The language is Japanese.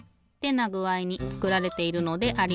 なぐあいにつくられているのであります。